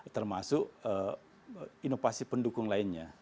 termasuk inovasi pendukung lainnya